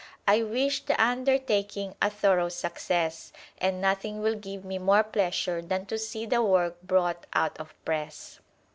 I wish the undertaking a thorough success, and nothing will give me more pleasure than to see the work brought out of press.